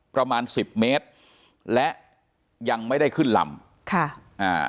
ประมาณสิบเมตรและยังไม่ได้ขึ้นลำค่ะอ่า